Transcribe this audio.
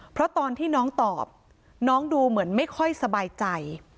เพราะตอนที่น้องตอบน้องดูเหมือนไม่ค่อยสบายใจ